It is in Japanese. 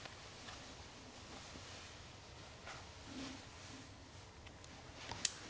うん。